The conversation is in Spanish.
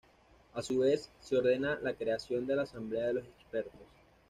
A su vez, se ordena la creación de la Asamblea de los Expertos.